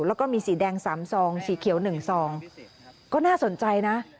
แล้วก็มีสีแดงสามซองสีเขียว๑ซองก็น่าสนใจนะ